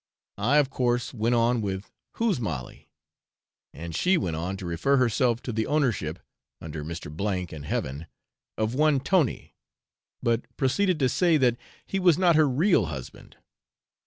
I, of course, went on with 'whose Molly?' and she went on to refer herself to the ownership (under Mr. and heaven) of one Tony, but proceeded to say that he was not her real husband.